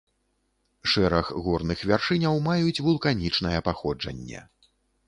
Шэраг горных вяршыняў маюць вулканічнае паходжанне.